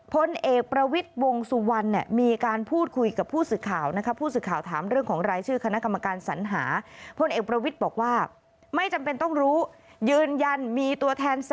พลเอกประวิทธิ์วงศุวรรภ์มีการพูดคุยกับผู้สื่อข่าวนะคะ